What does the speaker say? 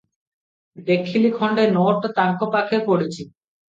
ଦେଖିଲି ଖଣ୍ଡେ ନୋଟ ତାଙ୍କ ପାଖେ ପଡ଼ିଚି ।